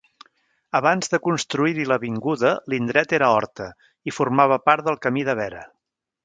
Abans de construir-hi l'avinguda, l'indret era horta, i formava part del Camí de Vera.